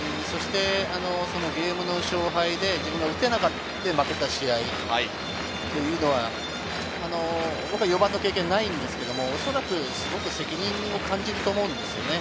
４番で打てない、そしてゲームの勝敗で自分が打てなくて負けた試合っていうのは、僕は４番の経験がないですけれど、おそらくすごく責任を感じると思うんですよね。